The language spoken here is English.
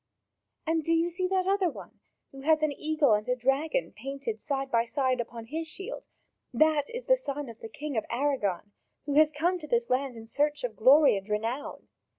And do you see that other one, who has an eagle and a dragon painted side by side upon his shield? That is the son of the King of Aragon, who has come to this land in search of glory and renown.